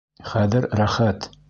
Хәҙер рәхәт.